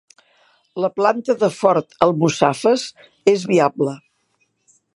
La planta de Ford Almussafes és viable